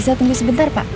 bisa tunggu sebentar pak